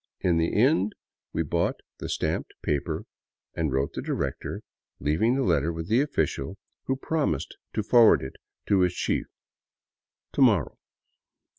In the end we bought the stamped paper and wrote the director, leaving the letter with the official, who promised to forward it to his chief — to morrow.